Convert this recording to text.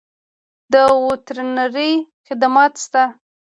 د وترنرۍ خدمات شته؟